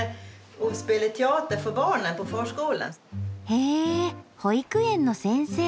へぇ保育園の先生。